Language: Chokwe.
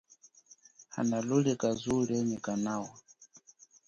Hanalulika zuwo lienyi kanawa.